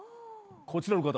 こちらの方。